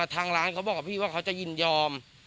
ทางร้านเขาบอกกับพี่ว่าเขาจะยินยอม